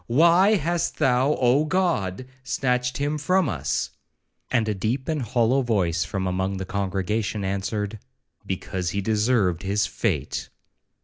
Why hast thou, Oh God! snatched him from us?'—and a deep and hollow voice from among the congregation answered,—'Because he deserved his fate.'